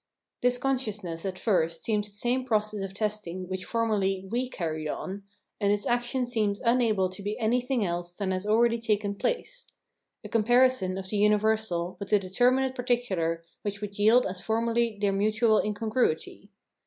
This consciousness at first seems the same process of testing which formerly we carried on, and its action seems unable to be anything else than has already taken place — a comparison of the universal with the determinate particular which would yield as formerly their mutual incongruity.